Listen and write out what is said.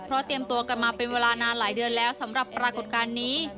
เพราะเตรียมตัวกันมาเป็นเวลานานหลายเดือนแล้วสำหรับปรากฏการณ์นี้